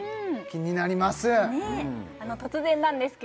気になります